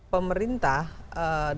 pemerintah ketika memiliki kebebasan